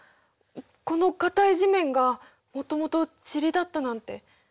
この硬い地面がもともと塵だったなんて。